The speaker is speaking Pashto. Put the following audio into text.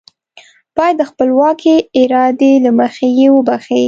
بايد د خپلواکې ارادې له مخې يې وبښي.